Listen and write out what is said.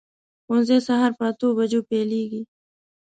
ښوونځی سهار په اتو بجو پیلېږي.